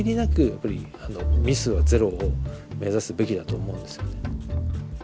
やっぱりミスはゼロを目指すべきだと思うんですよね。